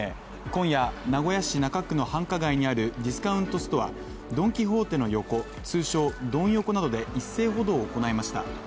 今夜、名古屋市中区の繁華街にあるディスカウントストア、ドン・キホーテの横、通称・ドン横などで一斉補導を行いました。